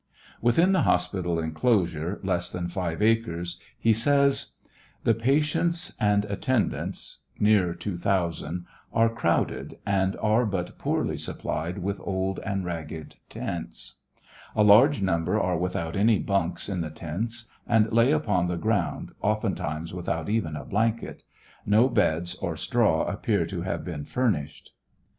Within the hospital enclosure, less tlian five acres, he says : The patioBts and attendants, near 2,000, are crowded, and are but poorly supplied with old and ragged tents ; a large number are without any bunks in the tents, and lay upon the ground, oftentimes without even a blanket. No beds or straw appear to have been furnished.